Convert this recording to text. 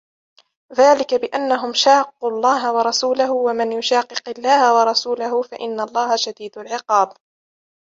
ذَلِكَ بِأَنَّهُمْ شَاقُّوا اللَّهَ وَرَسُولَهُ وَمَنْ يُشَاقِقِ اللَّهَ وَرَسُولَهُ فَإِنَّ اللَّهَ شَدِيدُ الْعِقَابِ